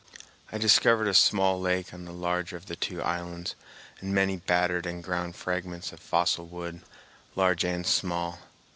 I discovered a small lake on the larger of the two islands, and many battered and ground fragments of fossil wood, large and small.